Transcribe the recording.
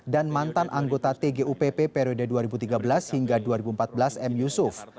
dan mantan anggota tgupp periode dua ribu tiga belas hingga dua ribu empat belas m yusuf